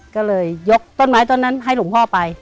ก็เลยยกต้นไม้ต้นนั้นให้หลวงพ่อไป